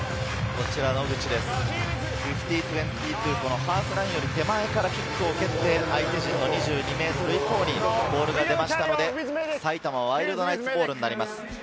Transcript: ５０：２２、ハーフラインより手前からキックを蹴って、相手陣２２ｍ以降にボールが出ましたので、埼玉ワイルドナイツボールになります。